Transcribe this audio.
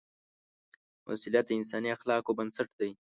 مسؤلیت د انساني اخلاقو بنسټ دی.